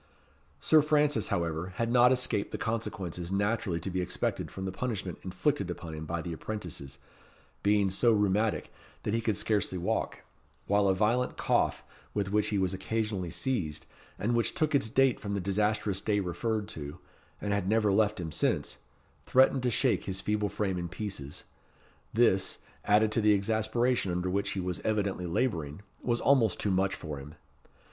Sir Francis, however, had not escaped the consequences naturally to be expected from the punishment inflicted upon him by the apprentices, being so rheumatic that he could scarcely walk, while a violent cough, with which he was occasionally seized, and which took its date from the disastrous day referred to, and had never left him since, threatened to shake his feeble frame in pieces; this, added to the exasperation under which he was evidently labouring, was almost too much for him.